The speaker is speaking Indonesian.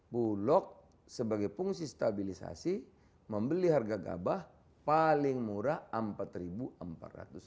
bulog sebagai fungsi stabilisasi membeli harga gabah paling murah rp empat empat ratus